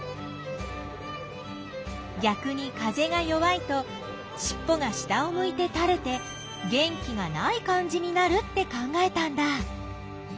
ぎゃくに風が弱いとしっぽが下をむいてたれて元気がない感じになるって考えたんだ。